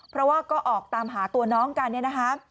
เพราะว่าก็ออกตามหาตัวน้องกันเนี่ยนะคะ